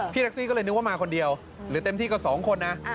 แท็กซี่ก็เลยนึกว่ามาคนเดียวหรือเต็มที่ก็๒คนนะ